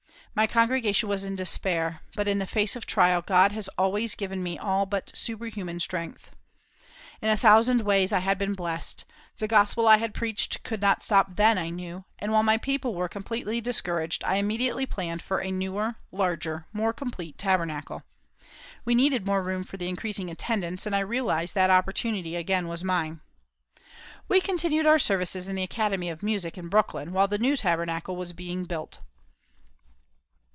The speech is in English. My congregation was in despair, but, in the face of trial, God has always given me all but superhuman strength. In a thousand ways I had been blessed; the Gospel I had preached could not stop then, I knew, and while my people were completely discouraged I immediately planned for a newer, larger, more complete Tabernacle. We needed more room for the increasing attendance, and I realised that opportunity again was mine. We continued our services in the Academy of Music, in Brooklyn, while the new Tabernacle was being built.